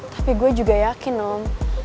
tapi gue juga yakin om